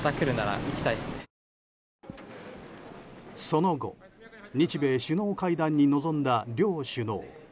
その後、日米首脳会談に臨んだ両首脳。